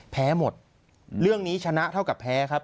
แพ้หมดเรื่องนี้ชนะเท่ากับแพ้ครับ